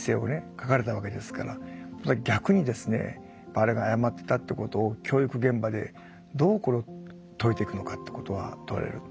書かれたわけですから逆にですねあれが誤っていたってことを教育現場でどうこれを説いていくのかってことは問われる。